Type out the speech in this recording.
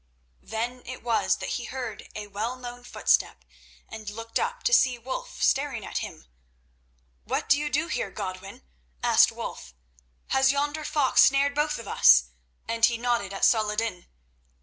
Then it was that he heard a well known footstep, and looked up to see Wulf staring at him. "What do you here, Godwin?" asked Wulf. "Has yonder fox snared both of us?" and he nodded at Saladin.